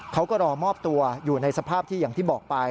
เขาก็รอมอบตัวอยู่ในสภาพที่อย่างที่บอกไป